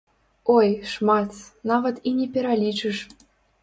Ой, шмат, нават і не пералічыш!